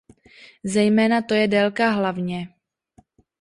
Zejména to je délka hlavně.